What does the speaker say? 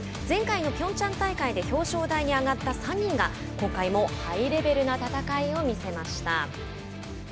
前回のピョンチャン大会で表彰台に上がった３人が今回もハイレベルな戦いを見せました。